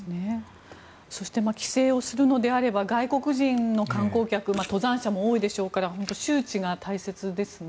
そして規制をするのであれば外国人の観光客登山者も多いでしょうから周知が大切ですね。